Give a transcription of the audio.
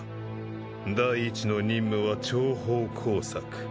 第一の任務は諜報工作。